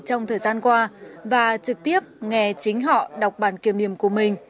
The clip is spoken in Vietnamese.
trong thời gian qua và trực tiếp nghe chính họ đọc bản kiểm niệm của mình